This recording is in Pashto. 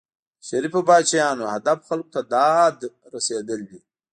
د شریفو پاچاهانو هدف خلکو ته داد رسېدل دي.